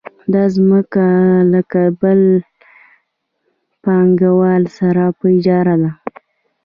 دا ځمکه له بل پانګوال سره په اجاره ده